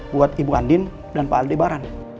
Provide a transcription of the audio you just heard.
buat ibu andin dan pak aldebaran